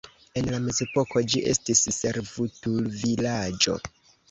En la mezepoko ĝi estis servutulvilaĝo.